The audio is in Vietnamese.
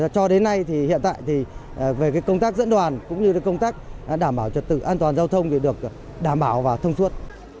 cho đến nay hiện tại về công tác dẫn đoàn cũng như công tác đảm bảo trật tự an toàn giao thông được đảm bảo và thông suốt